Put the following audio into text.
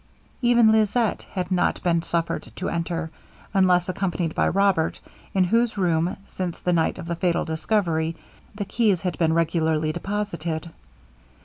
Even Lisette had not been suffered to enter, unless accompanied by Robert, in whose room, since the night of the fatal discovery, the keys had been regularly deposited.